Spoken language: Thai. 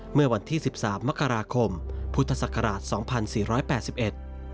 เมื่อวันที่๑๓มกราคมพุทธศักราช๒๔๘๑